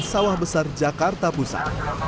sawah besar jakarta pusat